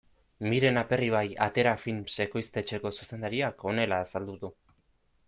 Miren Aperribai Atera Films ekoiztetxeko zuzendariak honela azaldu du.